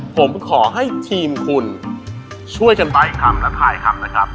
ผมขอให้ทีมคุณช่วยกันใบ้คำและพายคำนะครับ